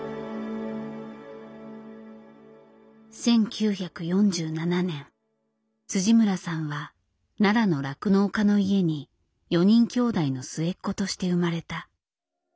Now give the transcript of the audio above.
１９４７年村さんは奈良の酪農家の家に４人兄弟の末っ子として生まれた。